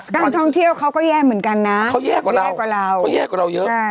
การท่องเที่ยวเขาก็แย่เหมือนกันนะเขาแย่กว่าเราเขาแย่กว่าเราเยอะ